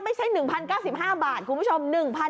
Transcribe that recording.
ไม่ใช่๑๐๙๕บาทคุณผู้ชม